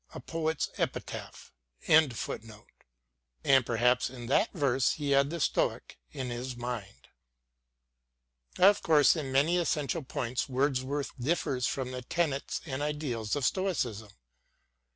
f « A Poet's Epitaph." WORDSWORTH AS A TEACHER 113 And perhaps in that verse he had the Stoic in his mind. Of course in many essential points Wordsworth differs from the tenets and ideals of Stoicism.